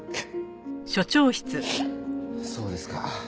そうですか。